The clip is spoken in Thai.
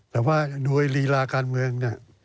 แต่ว่าโดยรีลาการเมืองเนี่ย